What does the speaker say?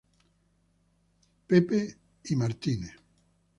Thomas y St.